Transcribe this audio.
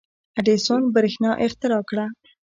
• اډیسن برېښنا اختراع کړه.